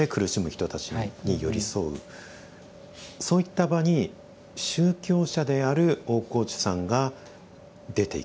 そういった場に宗教者である大河内さんが出ていく関わっていく。